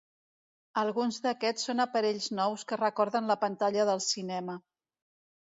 Alguns d'aquests són aparells nous que recorden la pantalla del cinema.